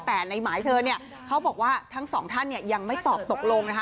แต่ในหมายเชิญเนี่ยเขาบอกว่าทั้งสองท่านเนี่ยยังไม่ตอบตกลงนะคะ